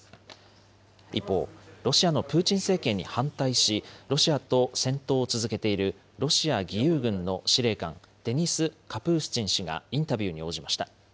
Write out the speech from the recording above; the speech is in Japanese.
一方、ロシアのプーチン政権に反対し、ロシアと戦闘を続けているロシア義勇軍の司令官、デニス・カプースチン氏がインタビューに応じました。